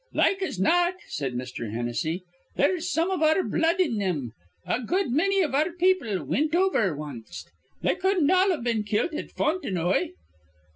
"Like as not," said Mr. Hennessy, "there's some of our blood in thim. A good manny iv our people wint over wanst. They cudden't all've been kilt at Fontenoy."